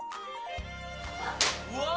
うわ！